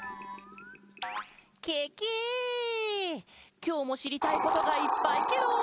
きょうもしりたいことがいっぱいケロ！